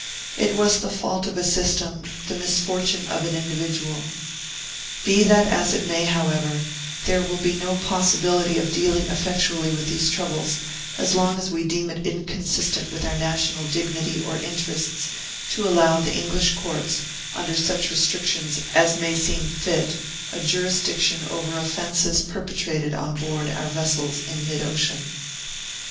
It was the fault of a system, the misfortune of an individual. Be that as it may, however, there will be no possibility of dealing effectually with these troubles as long as we deem it inconsistent with our national dignity or interests to allow the English courts, under such restrictions as may seem fit, a jurisdiction over offences perpetrated on board our vessels in mid ocean.